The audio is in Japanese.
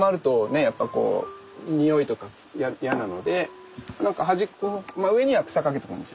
やっぱこう臭いとか嫌なのでなんか端っこまあ上には草かけとくんですよね。